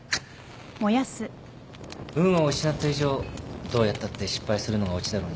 運を失った以上どうやったって失敗するのがオチなのに。